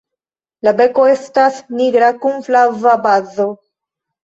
La beko estas nigra kun flava bazo.